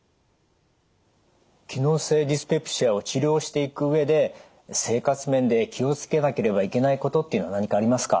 機能性ディスペプシアを治療していく上で生活面で気を付けなければいけないことっていうのは何かありますか？